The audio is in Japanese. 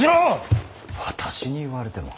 私に言われても。